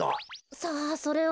さあそれは。